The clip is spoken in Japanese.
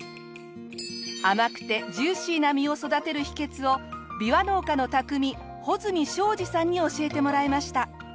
甘くてジューシーな実を育てる秘訣をビワ農家の匠穂積昭治さんに教えてもらいました。